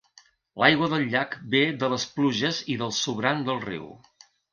L'aigua del llac ve de les pluges i del sobrant del riu.